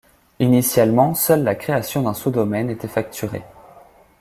Initialement, seule la création d'un sous-domaine était facturée.